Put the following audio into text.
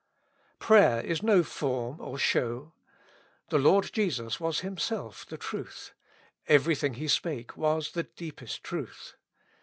Prayer is no form or show. The Lord Jesus was Himself the truth ; everything He spake was the deepest truth.